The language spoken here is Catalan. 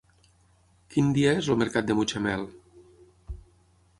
Quin dia és el mercat de Mutxamel?